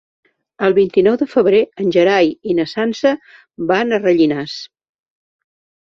El vint-i-nou de febrer en Gerai i na Sança van a Rellinars.